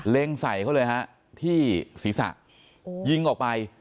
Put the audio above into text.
เล็งใส่เขาเลยฮะที่ศรีษะโอ้ยิงออกไป